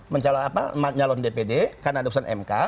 menjawab apa nyalon dpd karena ada pusat mk